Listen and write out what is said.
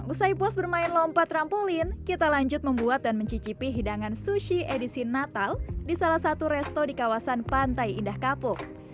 usai puas bermain lompat trampolin kita lanjut membuat dan mencicipi hidangan sushi edisi natal di salah satu resto di kawasan pantai indah kapuk